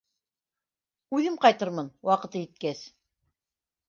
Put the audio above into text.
Үҙем ҡайтырмын... ваҡыты еткәс.